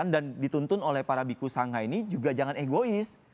dan dituntun oleh para biku sangha ini juga jangan egois